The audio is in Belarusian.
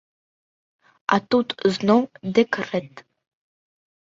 А тут зноў дэкрэт.